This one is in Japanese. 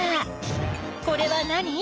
これは何？